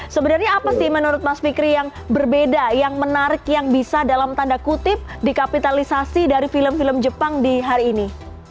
sebenarnya apa sih menurut mas fikri yang berbeda yang menarik yang bisa dalam tanda kutip dikapitalisasi dari film film jepang di hari ini